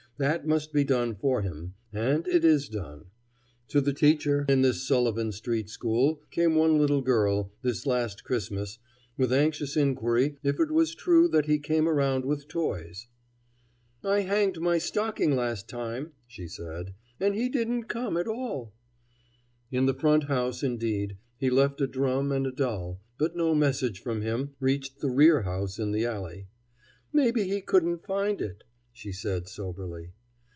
That must be done for him; and it is done. To the teacher in this Sullivan street school came one little girl, this last Christmas, with anxious inquiry if it was true that he came around with toys. "I hanged my stocking last time," she said, "and he didn't come at all." In the front house indeed, he left a drum and a doll, but no message from him reached the rear house in the alley. "Maybe he couldn't find it," she said soberly.